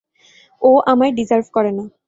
ও আমায় ডিজার্ভ করে না।